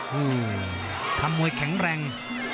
ฮือทำมวยแข็งแรง